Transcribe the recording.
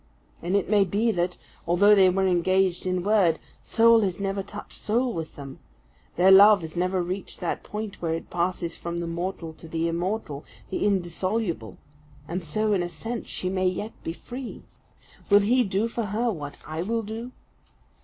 And it may be that, although they were engaged in word, soul has never touched soul with them; their love has never reached that point where it passes from the mortal to the immortal, the indissoluble: and so, in a sense, she may be yet free. Will he do for her what I will do?